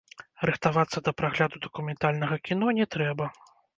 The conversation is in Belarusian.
Рыхтавацца да прагляду дакументальнага кіно не трэба.